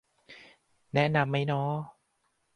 แนะนำไหมน้อ